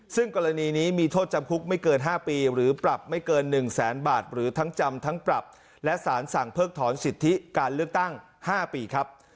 ซึ่งกรณีนี้มีโทษจำคุกไม่เกิน๕ปีหรือปรับไม่เกิน๑แสนบาทหรือทั้งจำทั้งปรับและสารสั่งเพิกถอนสิทธิการเลือกตั้ง๕ปีครับ